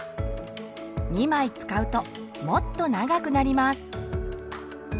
２枚使うともっと長くなります。